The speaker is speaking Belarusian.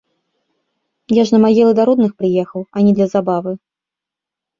Я ж на магілы да родных прыехаў, а не для забавы.